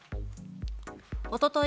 おととい